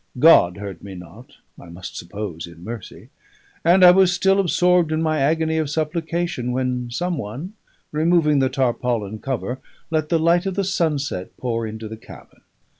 God heard me not, I must suppose in mercy; and I was still absorbed in my agony of supplication when some one, removing the tarpaulin cover, let the light of the sunset pour into the cabin.